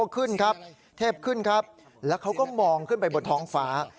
ขึ้นครับเทพขึ้นครับแล้วเขาก็มองขึ้นไปบนท้องฟ้า